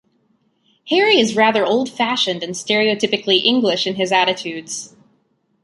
Harry is rather old-fashioned and stereotypically English in his attitudes.